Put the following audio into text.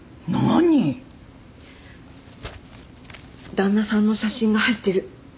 旦那さんの写真が入ってる。